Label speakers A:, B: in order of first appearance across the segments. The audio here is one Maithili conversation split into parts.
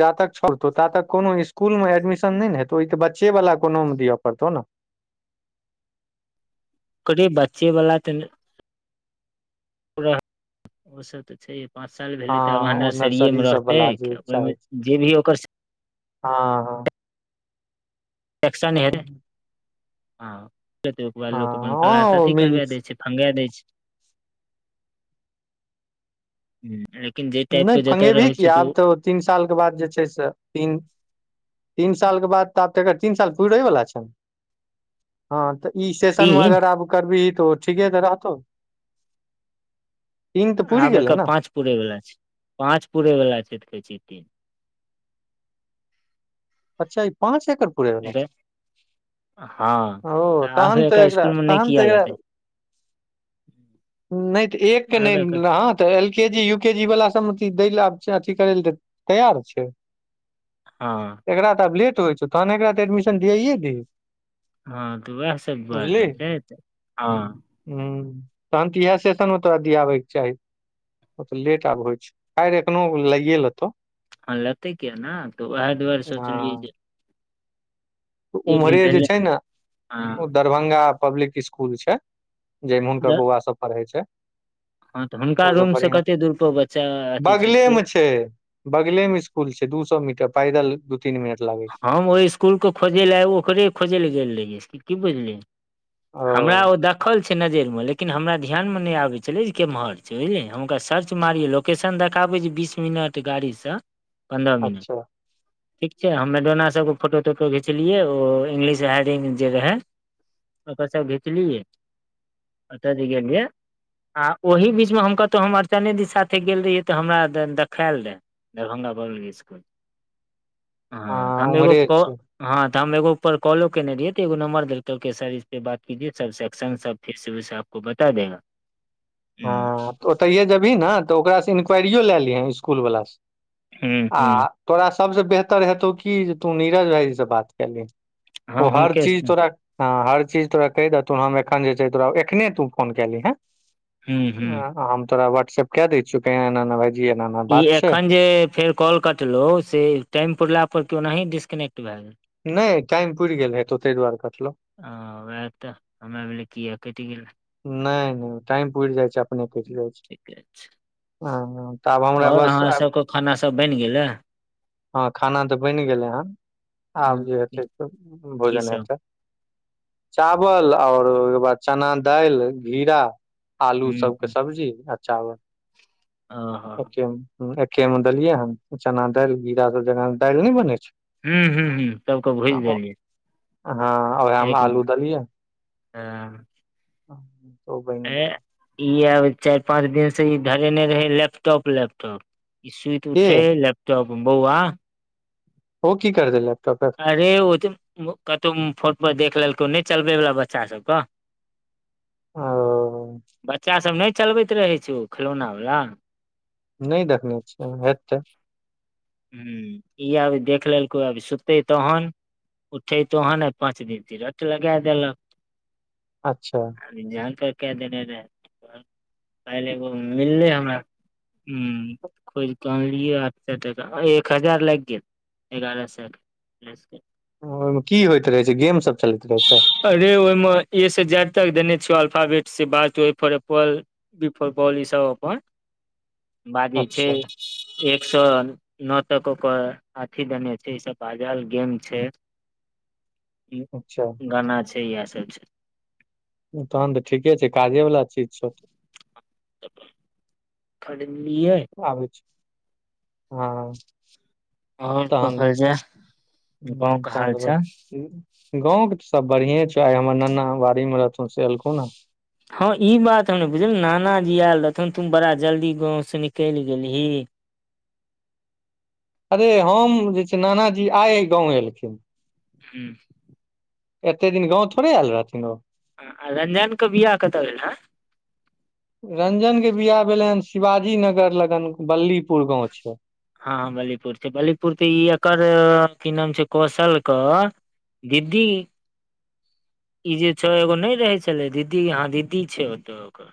A: जा तक छोड़तौ तक कोनो स्कूल ममे एडमिशन नहि ने हेतौ ओहि तऽ बच्चे वाला कोनोमे दिअ पड़तौ ने
B: के बच्चे वाला ओसभ तऽ छै। पाँच साल भेलै तऽ आब अहाँ
A: हँ ओ नर्सरी
B: नर्सरिएमे
A: सब
B: रहतै
A: वाला जे चाहे
B: ओहिमे
A: छै।
B: जे भी ओकर
A: हँ, हँ
B: एक्शन नहि हेतै
A: हँ
B: हँ, तऽ ओहिके बाद लोक अपन
A: हँ
B: क्लासँ
A: ओ
B: अथी
A: मिल
B: करबा दै छै। पंगेय दे छै लेकिन जे
A: नहि
B: टाइपके जतय
A: फंगेबही
B: रहै छै
A: किया
B: तऽ
A: आब
B: ओ।
A: तीन सालके बाद जे छै, से तीन तीन सालके बाद तऽ आब तर तीन साल पूरै बला छै हँ तऽ ई स्टेशनमे
B: तीन
A: अगर आब करबही तऽ ठीके त रहतौ तीन तऽ पुरि
B: आब
A: गेलै
B: एकर
A: ने
B: पाँच पूरै वला छै। पाँच पूरै वला छै। तऽ कहै छियै तीन।
A: अच्छा ई पाँच एकड़ पूरे वला छै?
B: एकर हँ
A: ओ
B: तऽ आब
A: तहन तऽ
B: एकर
A: एकरा
B: स्कुल मे नहि
A: तहन तऽ
B: किया
A: एकरा
B: लेतै
A: नहि तऽ एकके
B: आब
A: नहि
B: एकर
A: लह तऽ एलकेजी-यूकेजीवालासभमे दै लऽ आ अथी करै लऽ तऽ तैयार छै।
B: हँ।
A: एकरा तऽ आब लेटइ छौ, तहन एकरा तऽ एडमिशन दिययए
B: हँ। तऽ वह सभ दरनखेत ह
A: ह तहन तऽ इएह सेशनमे तोरा दियाबैके चाही ओ तऽ लेट आब होइ छै। काल एखनो लागए लेतौ।
B: हँ, लेते किया ने तऽ उएह दुआरे सोचलियै जे
A: तऽ उम्हरे
B: भी
A: जे
B: भेलै
A: छै ने,
B: हँ
A: ओ दऽ। दरभंगा पब्लिक स्कुल छै, जाहिमे हुनकर बौआ सभ पढ़ै छै।
B: हँ, तऽ हुनका
A: ओ सब
B: रूमसे
A: बढ़ियां
B: कते दूर पर बच्चा अथि छै, इकुल
A: बगलेमे स्कूल छै दू सए मीटर पैदल। तीन मिनट लागै छै
B: हम ओहि स्कुल खोजै लए आ ओकरे खोजै लए गेल रहियै की बुझलियै? हमरा ओ दखल। छैनजरिमे लेकिन हमरा ध्यानमे नहि आबै छलै केम्हर छै हम ओकरा सर्च मारिये लो लोकेशन देखाबै जे बीस मिनट गाड़ीसँ पन्द्रह मिनट।
A: अच्छा
B: से हमहुँ दुनू सभके फोटो-टोटो खीचलियै, ओ इंग्लिश हेडिंग जे रहै। आ कस घत [unintelligible] ल य अत त गिय आ ओहि बीचमे हम कतहु हम अड़चने दी साथे गेल रहियै तऽ हमरा द देखायल रहै दरभंगा पब्लि [unintelligible] क इसकुल हँ तेहन ऐगो
A: उम्हरे
B: क
A: छै
B: हँ तऽ हम एगो ऊपर कॉलो केने रहियै तऽ एगो नम्बर देलकै सर इस पे बात कीजिये सब सेक्शन सब फेसबुक सब ओ बता दैहा
A: [inaudible]
B: हु
A: ओतैहे जेबही ने तऽ ओकरा सँ इन्क्वायरियो लए लिहऽ स्कूल वला
B: हुँ
A: सॅं आ
B: हुँ
A: तोरा सभसे बेहतर हेतौ की जे तू नीरज भायजी से बात कय ले ओ
B: हँ
A: हर
B: हुनके
A: चीज
B: से
A: तोरा हँ हर चीज तोरा कहि देथून हम एखन जे छै तोरा एखने तू फोन कय ली हें
B: हुँ हुँ
A: हम तोरा वाट्स्सऐप क दै छियो आ केना एना एना भाईजी एना एना
B: ई
A: बात छै
B: एखन जे फेर कॉल कटलहुँ से टाइम पुरला पर के ओनाही डिस्कनेक्ट भए गेलउ
A: नहि टाइम पुरि गेल हेतो ताहि दुआरे कटलहु
B: हॅं ओएह तऽ हमरा भेल कीआ कैट गेलै
A: नहि नहि टाइम पूरि जाइ छै अपने कटि जाइ छै
B: ठीके छै
A: हँ हं तब हमरा
B: आओर
A: बस
B: अहाँ
A: आब
B: सबके खाना सब बनि गेलै अ,
A: हँ खाना तऽ बनि गेलै हन आब जे
B: की
A: हेतै त
B: की
A: भोजन
B: सब
A: हेतै चावल और ओहि के बाद चना दालि घिरा आलू
B: हुँ
A: सबके
B: हुँ
A: सब्जी आ चावल
B: ओ हँ
A: एके में देलियैहन चना दालि गेउरा सब जेना दालि ने बने छै
B: हुँ हुँ हुँ सबके भुजि
A: हं
B: देलियै
A: उहे में आलू देलीये
B: ह
A: ह
B: ए ई आब चारि पाँच दिन से ई धरेने रहे लैपटॉप लैपटॉप ई सुति
A: के
B: उठे लैपटॉप बौआ
A: ओहो की करते लैपटॉपे
B: अरे ओ तऽ कतहु फोन पर देख लेलकौ नहि चलबै वला बच्चा छै ओत
A: ओ
B: बच्चा सब नहि चलबैत रहै छै ओ खेलौना वला
A: नहि देखने छ हेतै
B: हूं ई आब देख लेलकै आब सुत्तै तहन उठे तहण आइ पाँच दिन ती रट लगा देलक
A: अच्छा
B: कलि जान पर कै देने रहे काइल एगो मिलले हमरा हूं खोज कऽ आहनलियै आठ एक हजार लागि गेल एगारह शो क
A: ओहि मे की होइत रहे छै गेम सब चलैत रहै छै
B: अरे ओहि मे ए से जेड तक देने छिय अल्फाबेट से बात से ए फोर पर एप्पल बी फोर बाॅल ई सब अपन बाजै छै
A: अच्छा
B: एक सए नओ तक ओकर अथी देने छै ई सब बाजल गेल छै
A: अच्छा
B: गाना छै इएह सब छै
A: तहन तऽ ठीके छै कागजेवला चीज छौ
B: खरीदलीयै
A: आबे छिये हँ
B: आओर
A: तहन
B: कहल जाय गाँंव के हाल
A: चल [unintelligible]
B: चाल
A: बइ गाँंवके सॅं त सब बढ़िए छौ आइ हमर नाना बाड़ी मे रहथुन से एलखुने
B: हँ ई बात हम बुझल नाना जी आयल रहथुन तुम बड़ा जल्दी गाँव से निकलि गेलही
A: अरे हम जे छै नानाजी आय गाँंव एलखिन
B: ह्म
A: एते दिन गाँव थोड़े आयल रहथिन ओ
B: ह रंजन क बियाह कतऽ भेलैए
A: रंजन के बियाह भेलै हन शिवाजी नगर लगन बल्लीपुर गाँव छै
B: हँ बल्लीपुर छै बल्लीपुर तऽ ई एकर की नाम छै कौशल क दीदी ई जे छौ एगो नहि रहे छले दीदी या दीदी छै ओत ओकर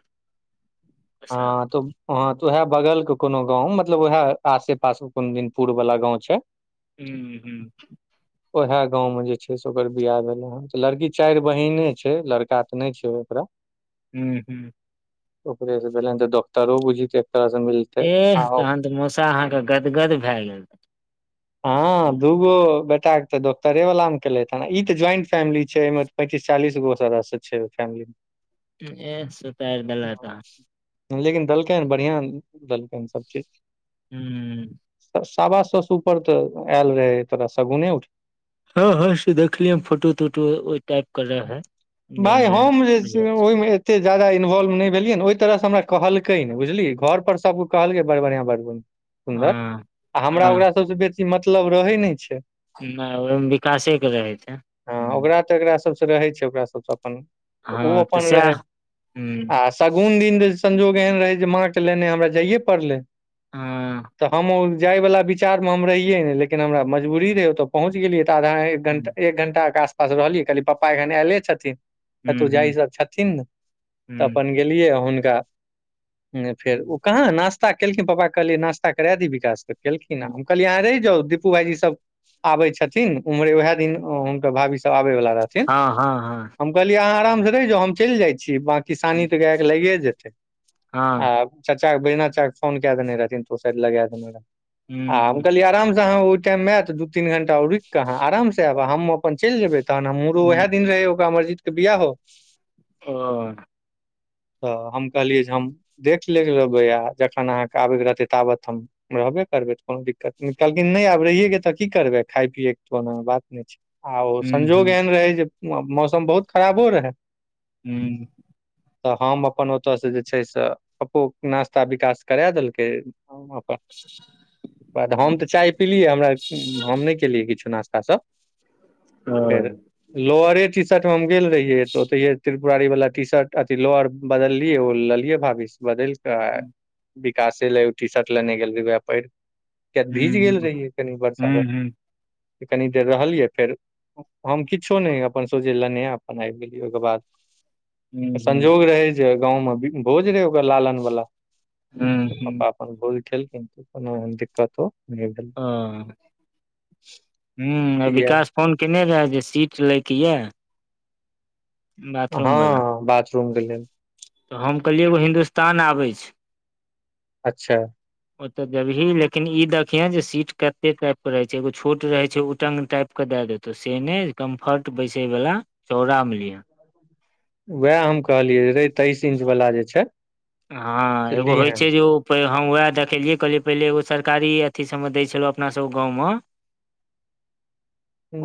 A: हँ तऽ हह तऽ उएह बगल के कोनो गाँव मतलब उएहे आसे पास कोन दिनपुर वाला गाँंव छै
B: हूं हूं
A: [unintelligible] ओहे गाँंव में जे छै से ओकर बियाह भेले हन त लड़की चार बहिने छै लड़का तऽ नहि छै ओकरा
B: हू हू
A: ऊहे से भेलैन त डॉक्टरों बुझित एकतरह से मिल
B: एह तहन तऽ मौसा अहाँके गदगद भए गेल
A: हँ दूगो बेटाक के तऽ डॉक्टरे वाला मे केलैत हे ई तऽ ज्वाइंट फैमिली छै अय मे त पैंतीस चालीस गो सदस्य छै ओय फैमलीमे
B: एह सूतारि देेलैत अहाँ क
A: लेकिन देलकै हन बढ़िआँ देलकै हन सभ चीज
B: हू
A: साबा सौ से ऊपर तऽ आयल रहै तोरा शगुने उठ
B: हँ हँ से देखलिय फोटो तोटो ओ टाइप क रहै मेन
A: भाय
B: मेन
A: हम जे छै
B: बुझाय छलै
A: ओहिमे एते जादा इन्वोल्व नय भेलियै ने ओहि तरहसँ हमरा कहलकै ने बुझलिय घर पर सभ क कहलकै बड़ बढ़ियां बड़ निक सुन्दर
B: हँ
A: आ हमरा
B: हँ
A: ओकरा सभसँ बेसी मतलब रहै नहि छै
B: नहि ओहिमे विकासेके रहै छै हू
A: तेकरा सब से रहै छै ओकरा सब से अपन ओ
B: हँ तऽ
A: अपन रहै
B: सएह हुँ
A: आ शगुन दिन जे संजोग एहन रहय जे माँ के लेने हमरा जाइए पड़लै
B: हँ
A: तऽ हमो जाय वाला बि विचार मे हम रहियै नय लेकिन हमरा मजबूरी रहै ओतऽ पहुँच गेलियै तऽ आधा एक घंटा
B: हुँ
A: एक घंटा के आश पास रहलिय कहली पप्पा एखन आयले छथिन
B: हुँ
A: कतो जाय
B: हुँ
A: सब छथिन तऽ
B: हुँ
A: अपन गेलियै हुनका हूं न फेर ऊ कहां नास्ता नास्ता केलखिन पप्पा कहलियै नास्ता करै दी विकास केलखिन हम कहलिय अहाँ रहि जाउ दि पू भाईजी सब आबे छथिन उम्हरे वएह दिन हुनकर भाभी सब आबेवाला रहथिन
B: हँ हँ हँ
A: हम कहलियै आहा अराम से रैह जाऊ हम चईल जाय छी बाकी सानी
B: हूँ
A: त गाय के लगिये जेतै आ
B: हँ
A: चाचा बैधनाथ चाचा के फोन कै देने रहथिन तो ओ सायद लगा देने रहथिन आ हम
B: हुँ
A: कहलिय आरामसँ अहाँ ओहिटाइममे आयतऽ दू तीन घण्टा रुक कऽ अहाँ आरामसँ आयब आ हम अपन चलि जेबैऽ तहन हमरू
B: हुँ
A: ओएह दिन रहै ओकर अमरजीत के बियाहो
B: ह
A: तऽ हम कहलियै जे हम देख ले लेबै आ जखन अहाँके आबैक रहतै ताबत हम रहबे करबै कोनो दिक्कत नय कहलखिन नहि आब रहिएके तऽ की करबै खाय पियैके त कोनो बात नहि छै आ ओ संजोग एहन रहै जे मौसम बहुत खराबो रहै
B: हू
A: तऽ हम अपन ओतय से जे छै से पप्पो के नास्ता विकास करा देलकै हम अपन
B: [unintelligible]
A: ओकर बाद हम तऽ चाय पिलियै हमरा हम नय केलियै किछो नास्तासब फेर लोअरे टी शर्टमे हम गेल रहियै तऽ ओतहिये त्रिपुरारी वालला टी शर्ट अथी लोअर बदललियै ओ लेलियै भाभी से बदेल विकासे ले उ टी शर्ट लेने गेल रहै वैहै पहिर किय त भीज गेल रहियै कनि वर्षा ब कनी देर रहलियै फेर हम किछो नय अपन सोझे लेने अपन आबि गेलिय ओहिके बाद संजोग रहै जे गाँवमे भोज रहै ओकर लालन वला त पप्पा बलेल क कोनो दिक्कतो नहि भेल
B: ओ ह [unintelligible]
A: इएह
B: विकास फोन केने रहे जे सीट लए के ये
A: हँ
B: बाथरूम वाला
A: बाथरूम के लेल
B: तऽ हम कहलियै एगो हिन्दुस्तान आबैछे
A: अच्छा
B: ओते जबही लेकिन ई देखिये जे सीट कते टाइप के रहे छै एगो छोट रहे छै उटंग टाइप सब के द देतो से ने कम्फर्ट बैसे वाला चौड़ा मे लिअ
A: उएह हम कहलियै रे तेइस इंच वला जे छै
B: हँ
A: से
B: एगो होइ
A: लीहें
B: छै जै हम वएह देखेलियै कहलियै पहिले एगो सरकारी अथी सबमे दै छलहुँ अपना सब गाँवम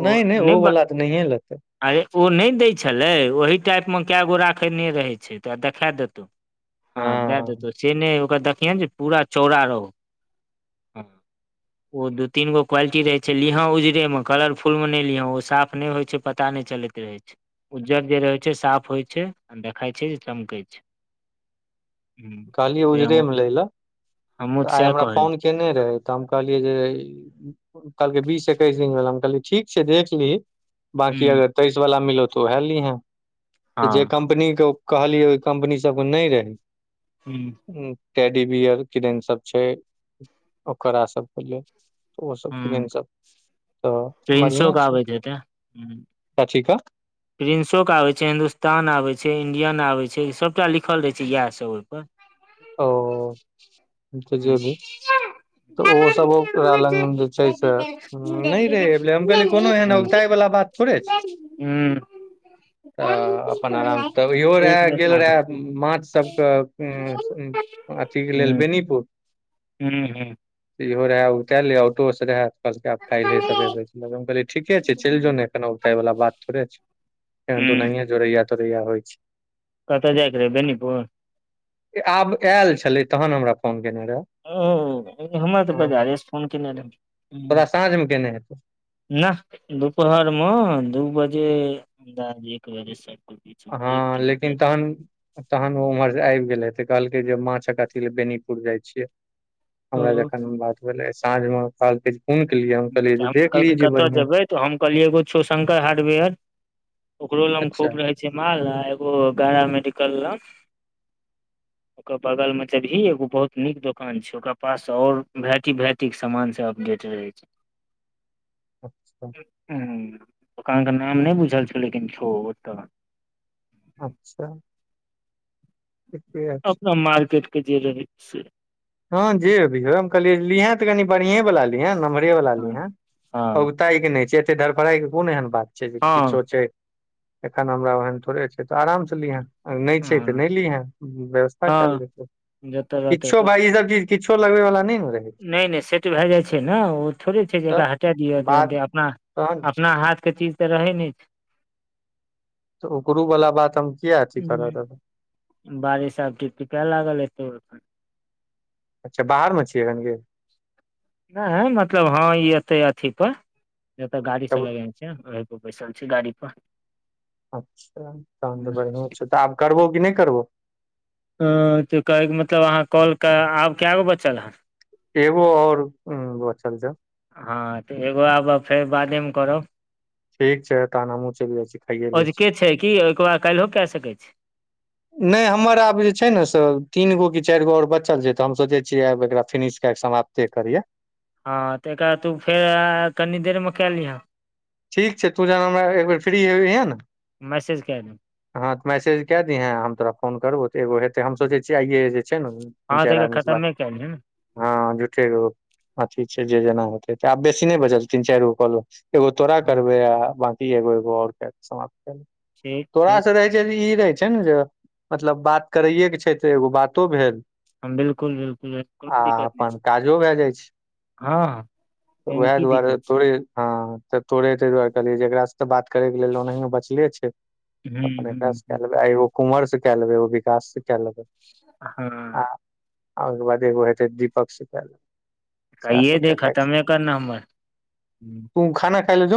A: नय नय ओ वला तऽ नहिए लेतै
B: अरे ओ नय दै छलै ओहि टाइप मे कए गो राखेने रहै छै तऽ तोरा देखा देतै हँ दए देतौ से नय ओकर देखिय ने जे पूरा चौड़ा रहौ ओ दू तीन गो क्वालिटी रहे छै लिह उजरे मे कलरफुल मे न नय लिह ओ साफ नय होइ छै पता नय चलैत रहे छै उज्जर जे रहय छै साफ होय छै आ देखई छै जे चमकै छै हूँ
A: कहलियै
B: से
A: उजरे
B: हम
A: मे लेल
B: हमहुँ
A: त आइ
B: सएह
A: हमरा
B: कहलियै
A: फोन केने रहे तऽ हम कहलियै जे कहलकै बीस एक्ैस दिन भेल हम कहलिए ठीक छै देख लीही बाकी
B: हूँ
A: अगर तेइस वला मिलो तो वएह लिहे
B: हँ
A: जे कम्पनी के कहलियै ओहि कम्पनी सब नहि रहे
B: हू
A: टेडी बियर किदन सब छै ओकरा सबके लेल तऽ ओसभ किरैन
B: हूँ
A: सभ तऽ
B: प्रिंसो
A: बढ़िएँ
B: के
A: छै
B: आबैत हेतै
A: कथि क
B: प्रिन्सोके आबै छै हिन्दुस्तान आबै छै इण्डियन आबै छै सभटा लिखल रहै छै इएह सभ ओहिपर
A: ओ
B: हूँ
A: तऽ जेबी तऽ ओ सब ओकरा लंग जे छै से नहि रहे हम कहल कोनो एहन औगताइवला बात थोड़े छै
B: हँ
A: [inaudible] तऽ अपन आरामसँ तऽ इहो
B: एक
A: रहए
B: मिनट मे
A: गेल
B: आबै छी
A: रहए
B: हूँ
A: माछसभक अथीेक लेल बेनीपुर
B: हूँ हूँ
A: इहो रहे उ कए ले ऑटो से रहे कहलकै आब खाइलहे सबे हम कहलियै ठीके छै चैल जो ने कना औगताइ वला बात थोड़े छै कु
B: हूँ
A: नहिय जोरया तोरइया होइ छै
B: कतऽ जाइके रहै बेनीपुर
A: आब आयल छले तहन हमरा फोन केने रहे
B: ह हमरा तऽ बर फोन कने रहै
A: तोरा साँझ मे केने हेतौ
B: नाह दुपहरमे दू बजे अन्दाज एक बजेसे
A: हँ लेकिन तहन तहन ओम्हर से आब गेलै तऽ कहलकै जे माछक अथी लए बेनीपुर जाइ छियै हमरा
B: ओ
A: जखन बात भेलै साँझ मे क़हलके हुन क लियए हम कहलियै जे देखलिय जे बढ़िया
B: तो हम कहलियै एगो छो शंकर हार्डवेयर ओकरो लंग
A: अच्छा
B: खूब रहै जमाल एगो गारा मेडिकल लअ
A: [inaudible]
B: ओकर बगल मे जोभही एगो बहुत नीक दुकान छै ओकरा पास और भेराटी भेराटी ठिक सामान सब अपडेट रहै छै
A: [unintelligible]
B: हुँ दोकान के नाम नहि बुझल छ लेकिन छौ ओतऽ
A: अच्छा ठीके छै
B: अपना मार्केटके जे रहै से
A: हँ जेभी हो हम कहलियै लिहे तऽ कनि बढ़ियए वला लिहे नम्हरे वाला
B: हँ
A: लिहे
B: हँ
A: बहु ताइ के नहि छै एते धरफड़ाई के कोन एहन बात छै जे किछो
B: हँ
A: छै एखन हमरा ओहन थोड़े छै तऽ आराम से लिहेँ नहि छै तऽ
B: हँ
A: नहि लीहे व्यवस्था कयल
B: हँ
A: जेतै
B: जतऽ रहतै
A: किछो भाय ई सब चीज किछ लगेवे वला नहि नेे
B: नहि नहि सेट भए जाइ छै न ओ थोड़े छै जे
A: तऽ
B: एकरा हटा दिअ
A: बात
B: तुरन्ते अपना
A: तहन
B: अपना हाथके चीज तऽ रहै नै छै
A: तऽ ओकरो वाला बात हम किया अथी करऽ
B: हूं,
A: रहबै
B: बारिश आब टिप टिपै लागल एतैओ
A: अच्छा बाहर मे छियै एखन की
B: नहि मतलब ह ई एते अथी पर एत गाड़ी
A: तब
B: सब लगे [unintelligible] बैसल छै गाड़ी पर
A: अच्छा तहन तऽ बदिया छै तऽ आब करबो कि नहि करबो
B: ह तऽ कहैके मतलब अहाँ कॉलके आब केगो बचल हैन
A: एगो ओर बचल छौ
B: हँ तऽ एगो आब फेर बादेमे करब
A: ठीक छै तहन हमहुँ चलि जाइ छी खाइये लै छी
B: अजुके छै कि ओहिकेाद काल्हियो केय सकैत छै
A: [inaudible] नहि हमर आब जे छै न से तीन गो कि चारि गो आओर बचल छै तऽ हम सोचै छियै आब एकरा फिनिश कए कऽ समाप्त ते करियै
B: हँ तेकरा तू फेर कनी देर म कैय लिहन
A: ठीक छै तू जना हमरा एकबार फ्री हेबहै न
B: मैसेज कए दे
A: हँ तऽ मैसेज कए दहें हम तोरा फोन करब तऽ एगोे हेतै तऽ हम सोचै छियै आइे जे छै ने तीन
B: हँ तऽ
A: चारि
B: एकर
A: आदमी से बात
B: खतमे कए लिहऽ ने
A: हँ झुठे कऽ ओ अथी छै जे जेना होतै त आब बेसी नहि बचल तीन चार गो कल लेब एगो तोरा
B: हँ
A: करबे आ बंकी एगो एगो और केय क समाप्त कर ले
B: ठीक ठीक
A: तोरासँ रहै छै तऽ ई रहै छै ने जे मतलब बात करैएके छै तऽ एगो बातो भेल
B: बिलकुल बिलकुल बिलकुल
A: आ
B: कथि
A: अपन
B: छै
A: काजो भए जाइ छै
B: हँ
A: तऽ
B: एहिमे
A: उएह
B: की
A: दुआरे
B: दिक्कत
A: तोरे हँ तऽ तोड़े ताहि दुआरे कहलियै जे एकरासँ तऽ बात करैके लेल ओनाहियो बचले छै
B: छै हूँ
A: अपन
B: हूँ
A: एकरास से कए
B: हूँ
A: लेबै आ एगो कुमरसँ कए लेबै एगो विकास से कए लेबै आ
B: हँ
A: आ ओहिके बाद एगो हेतै दीपक सँ कैय लेवै
B: कयो दे खतमे कर ना हमर
A: तुऽ खाना खा लेल